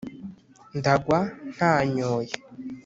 Ndagwa ntanyoye